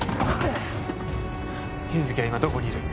優月は今どこにいる？